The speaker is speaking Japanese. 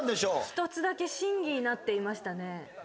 一つだけ審議になっていましたね。